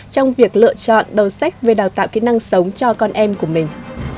trong việc lựa chọn đầu sách về đào tạo kỹ năng sống cho con em của mình